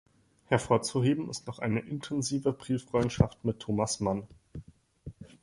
Hervorzuheben ist noch eine intensive Brieffreundschaft mit Thomas Mann.